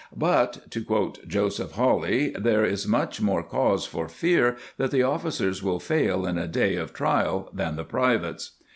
"*" But," to quote Joseph Hawley, " there is much more cause for fear that the officers will fail in a day of trial than the privates."